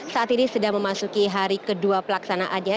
saat ini sudah memasuki hari kedua pelaksanaannya